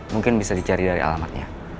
mungkin bisa dicari dari alamatnya